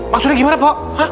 maksudnya gimana pak